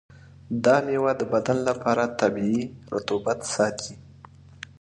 دا میوه د بدن لپاره طبیعي رطوبت ساتي.